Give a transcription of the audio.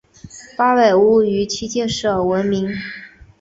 八百屋于七事件而闻名。